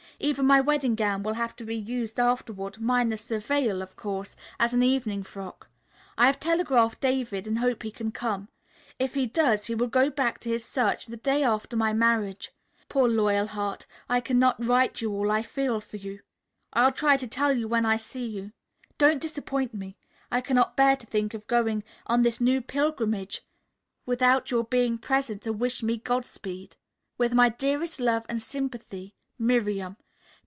Even my wedding gown will have to be used afterward, minus the veil, of course, as an evening frock. I have telegraphed David and hope he can come. If he does, he will go back to his search the day after my marriage. Poor Loyalheart, I cannot write you all I feel for you. I'll try to tell you when I see you. Don't disappoint me. I cannot bear to think of going on this new pilgrimage without your being present to wish me godspeed. With my dearest love and sympathy, "MIRIAM."